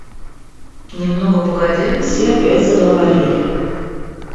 Немного погодя все опять заговорили.